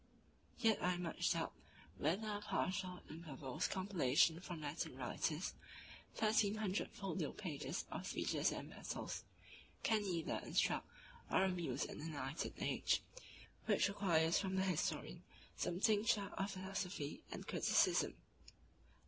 Yet I much doubt whether a partial and verbose compilation from Latin writers, thirteen hundred folio pages of speeches and battles, can either instruct or amuse an enlightened age, which requires from the historian some tincture of philosophy and criticism.